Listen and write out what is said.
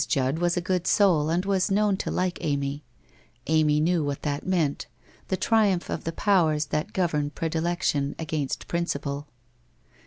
Judd was a good soul and was known to like Amy — Amy knew what that meant, the triumph of the powers that govern predilection against principle.